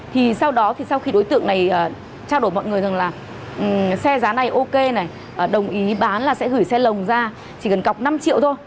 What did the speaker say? thì sau đó thì sau khi đối tượng này trao đổi mọi người rằng là xe giá này ok này đồng ý bán là sẽ gửi xe lồng ra chỉ cần cọc năm triệu thôi